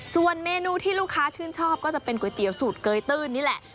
ส่วนเมนูที่ลูกค้าชื่นชอบก็จะเป็นก๋วยเตี๋ยวสูตรเกยตื้นนี่แหละ